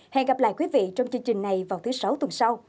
hẹn gặp lại quý vị trong chương trình này vào thứ sáu tuần sau